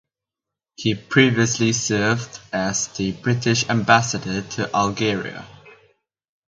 He previously served as the British Ambassador to Algeria.